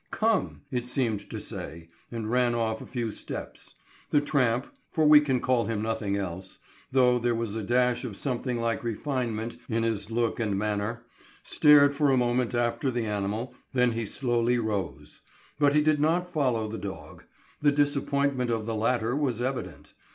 "Come!" it seemed to say, and ran off a few steps. The tramp, for we can call him nothing else, though there was a dash of something like refinement in his look and manner, stared for a moment after the animal, then he slowly rose. But he did not follow the dog. The disappointment of the latter was evident.